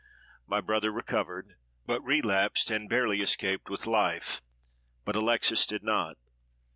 My brother recovered, but relapsed, and barely escaped with life; but Alexes did not.